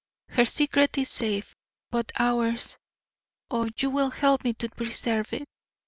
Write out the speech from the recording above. Her secret is safe, but ours oh, you will help me to preserve it!